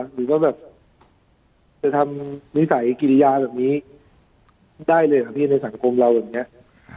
หรือว่าแบบจะทำนิสัยกิริยาแบบนี้ได้เลยครับพี่ในสังคมเราแบบนี้